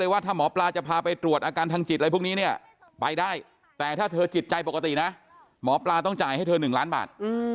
ว่าถ้าหมอปลาจะพาไปตรวจอาการทางจิตอะไรพวกนี้เนี่ยไปได้แต่ถ้าเธอจิตใจปกตินะหมอปลาต้องจ่ายให้เธอ๑ล้านบาท